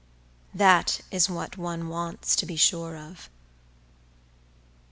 That is what one wants to be sure of.